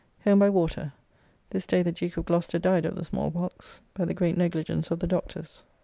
Home by water. This day the Duke of Gloucester died of the small pox, by the great negligence of the doctors.